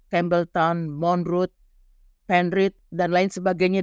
campbelltown monrood penrith dan lain sebagainya